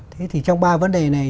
thế thì trong ba vấn đề này